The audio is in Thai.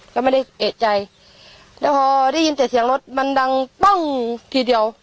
ก็ไม่ได้เอกใจแล้วพอได้ยินแต่เสียงรถมันดังปั้งทีเดียว